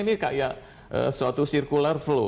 ini kayak suatu circular flow